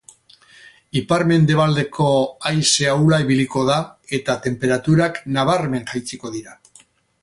Ipar-mendebaldeko haize ahula ibiliko da eta tenperaturak nabarmen jaitsiko dira.